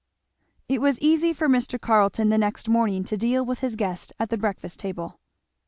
It was easy for Mr. Carleton the next morning to deal with his guest at the break fast table.